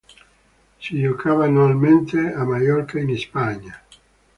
Si giocava annualmente a Maiorca in Spagna.